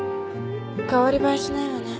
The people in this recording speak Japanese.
代わり映えしないわね。